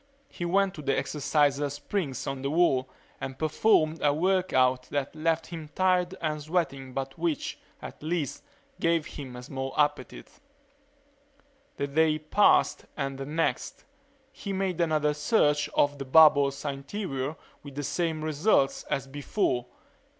He went to the exerciser springs on the wall and performed a work out that left him tired and sweating but which, at least, gave him a small appetite. The day passed, and the next. He made another search of the bubble's interior with the same results as before.